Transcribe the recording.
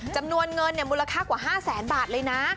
จำนวนเงินมูลค่ากว่า๕แสนบาทเลยนะ